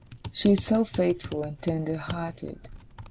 She's so faithful and tender hearted!